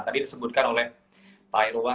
tadi disebutkan oleh pak irwan